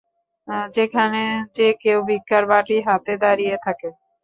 যেখানে যে কেউ ভিক্ষার বাটি হাতে দাঁড়িয়ে থাকে।